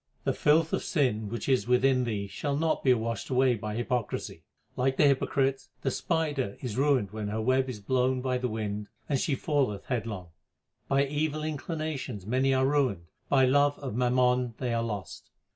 The filth of sin which is within thee shall not be washed away by hypocrisy. Like the hypocrite, the spider is ruined when her web is blown by the wind and she falleth headlong. By evil inclinations many are ruined ; by love of mammon they are lost.